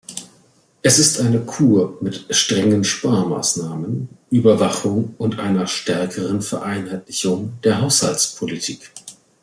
Es ist eine Kur mit strengen Sparmaßnahmen, Überwachung und einer stärkeren Vereinheitlichung der Haushaltspolitik.